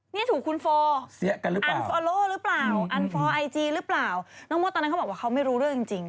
นี่ถูกคุณโฟเสียกันหรือเปล่าอันฟอโล่หรือเปล่าอันฟอร์ไอจีหรือเปล่าน้องมดตอนนั้นเขาบอกว่าเขาไม่รู้เรื่องจริงจริง